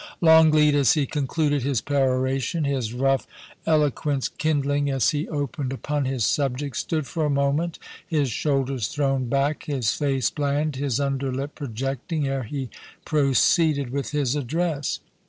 Longleat, as he concluded his peroration, his rough elo 12 POLICY AND PASSION, quence kindling as he opened upon his subject, stood for a moment, his shoulders thrown back, his face bland, his under lip projecting, ere he proceeded with his address.